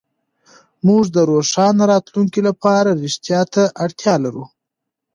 موږ د روښانه راتلونکي لپاره رښتيا ته اړتيا لرو.